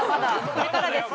これからです。